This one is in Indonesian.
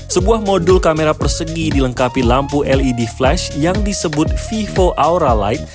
sebuah modul kamera persegi dilengkapi lampu led flash yang disebut vivo aura light